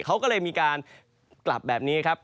เขาก็เลยมีการกลับแบบนี้ครับ